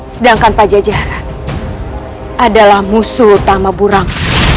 sedangkan pajajaran adalah musuh utama burang